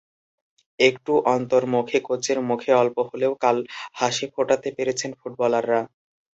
একটু অন্তর্মুখী কোচের মুখে অল্প হলেও কাল হাসি ফোটাতে পেরেছেন ফুটবলাররা।